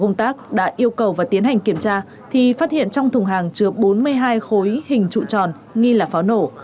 công tác đã yêu cầu và tiến hành kiểm tra thì phát hiện trong thùng hàng chứa bốn mươi hai khối hình trụ tròn nghi là pháo nổ